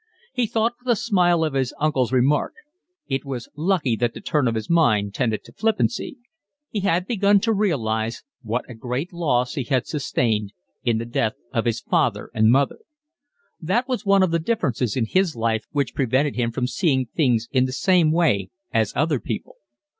He thought with a smile of his uncle's remark. It was lucky that the turn of his mind tended to flippancy. He had begun to realise what a great loss he had sustained in the death of his father and mother. That was one of the differences in his life which prevented him from seeing things in the same way as other people.